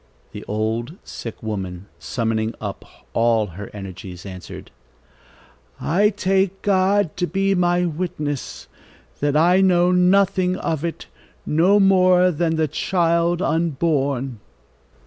The old, sick woman, summoning up all her energies, answered: "I take God to be my witness, that I know nothing of it, no more than the child unborn."